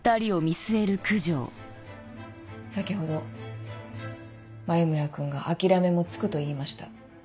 先ほど眉村君が「諦めもつく」と言いました。